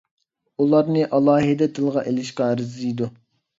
ئۇلارنى ئالاھىدە تىلغا ئېلىشقا ئەرزىيدۇ.